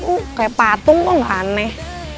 uh kayak patung kok aneh